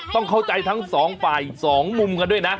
ต้องเข้าใจทั้งสองฝ่ายสองมุมกันด้วยนะ